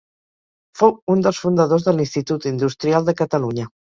Fou un dels fundadors de l'Institut Industrial de Catalunya.